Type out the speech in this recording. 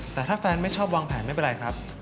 แต่ถ้าแฟนไม่ชอบวางแผนไม่เป็นไรครับ